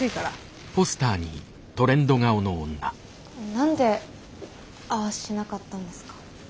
何でああしなかったんですか？